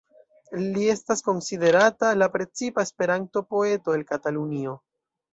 Li estas konsiderata la precipa Esperanto-poeto el Katalunio.